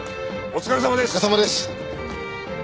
お疲れさまです！